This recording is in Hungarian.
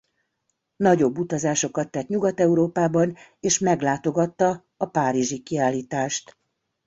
Nagyobb utazásokat tett Nyugat-Európában és meglátogatta a párizsi kiállítást.